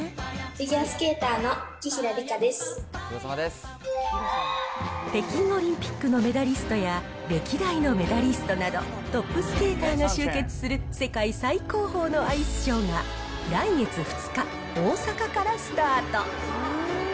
フィギュアスケーターの北京オリンピックのメダリストや、歴代のメダリストなど、トップスケーターが集結する世界最高峰のアイスショーが、来月２日、大阪からスタート。